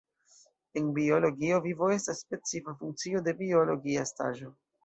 En biologio vivo estas specifa funkcio de biologia estaĵo.